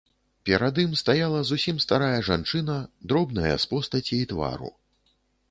Перад ім стаяла зусім старая жанчына, дробная з постаці і твару.